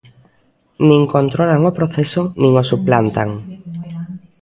Nin controlan o proceso nin o suplantan.